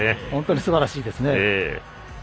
本当にすばらしいですね。